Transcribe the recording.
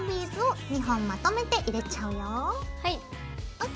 ＯＫ！